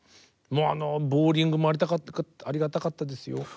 もうあのボウリングもありがたかったですよ。